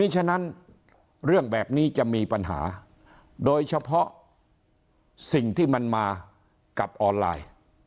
ฉะนั้นเรื่องแบบนี้จะมีปัญหาโดยเฉพาะสิ่งที่มันมากับออนไลน์